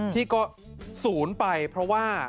ที่ก็สูญไปเพราะว่า